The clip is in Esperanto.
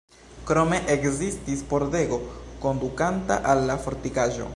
Krome ekzistis pordego kondukanta al la fortikaĵo.